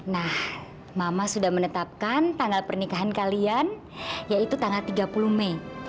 nah mama sudah menetapkan tanggal pernikahan kalian yaitu tanggal tiga puluh mei